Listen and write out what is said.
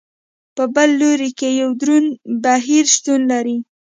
په بل لوري کې یو دروند بهیر شتون لري.